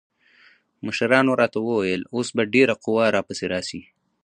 مشرانو راته وويل اوس به ډېره قوا را پسې راسي.